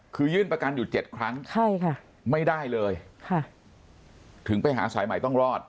คือยื่นประกันอยู่๗ครั้งไม่ได้เลยถึงไปหาสายใหม่ต้องรอด